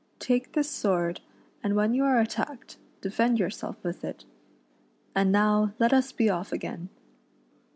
Take this sword, and when you are attacked, defend yourself with it. And now let us be off again."